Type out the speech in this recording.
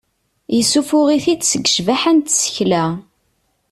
Yessuffuɣ-it-id seg ccbaḥa n tsekla.